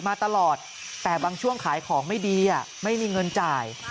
มาตลอดแต่บางช่วงขายของไม่ดีไม่มีเงินจ่าย